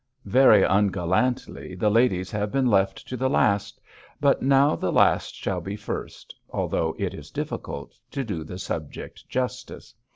Very ungallantly the ladies have been left to the last; but now the last shall be first, although it is difficult to do the subject justice.